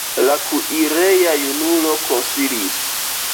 La kuireja junulo konsilis.